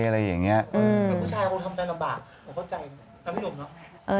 อะไรอย่างเงี้ยอืมผู้ชายเขาทำแต่ลำบากผมเข้าใจไม่รู้เหรอ